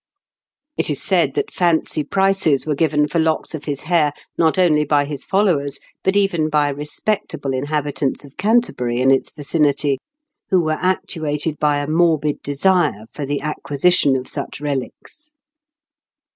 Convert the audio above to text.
It is said that fancy prices were given for locks of his hair, not only by his followers, but even by respectable inhabitants of Canterbury and its vicinity, who were actuated by a morbid desire for the acquisition of such relics.